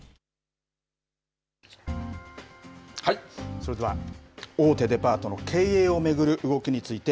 それでは大手デパートの経営を巡る動きについて、